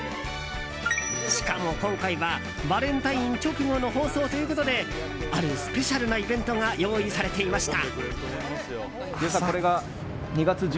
しかも今回はバレンタイン直後の放送ということであるスペシャルなイベントが用意されていました。